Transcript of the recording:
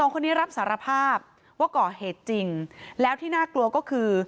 คนนี้รับสารภาพว่าก่อเหตุจริงแล้วที่น่ากลัวก็คือ